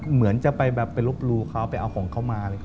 เหมือนจะไปรบรูเขาไปเอาของเขามาเลย